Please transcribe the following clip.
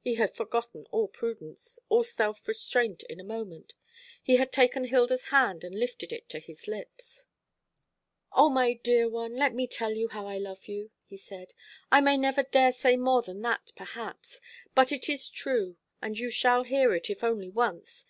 He had forgotten all prudence, all self restraint, in a moment. He had taken Hilda's hand and lifted it to his lips. "O my dear one, let me tell you how I love you," he said. "I may never dare say more than that, perhaps, but it is true, and you shall hear it, if only once.